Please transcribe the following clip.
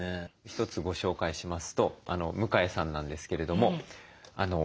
一つご紹介しますと向江さんなんですけれども今月ですね